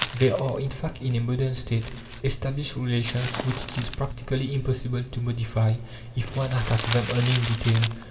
There are, in fact, in a modern State established relations which it is practically impossible to modify if one attacks them only in detail.